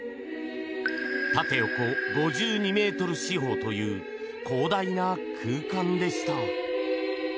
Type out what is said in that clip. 縦横５２ｍ四方という広大な空間でした。